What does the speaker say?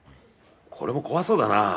これも怖そうだな。